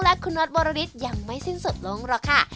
และคุณน็อตวรริสยังไม่สิ้นสุดลงหรอกค่ะ